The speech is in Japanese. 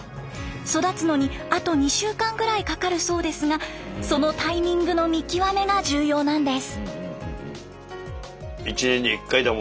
育つのにあと２週間ぐらいかかるそうですがそのタイミングの見極めが重要なんです。